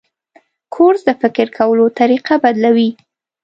کورس د فکر کولو طریقه بدلوي.